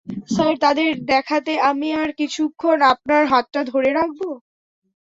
Sir, তাদের দেখাতে আমি আর কিছুক্ষণ আপনার হাতটা ধরে রাখবো।